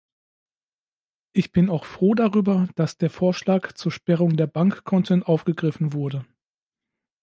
Ich bin auch froh darüber, dass der Vorschlag zur Sperrung der Bankkonten aufgegriffen wurde.